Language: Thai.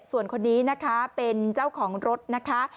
ส่วนคนนี้นะคะเป็นเจ้าของรถนะคะ